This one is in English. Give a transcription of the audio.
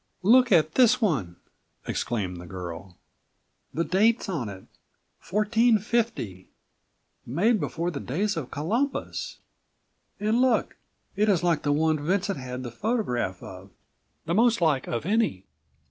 "Look at this one!" exclaimed the girl. "The date's on it—1450. Made before the days of Columbus. And look! It is like the one Vincent had the photograph of; the most like of any."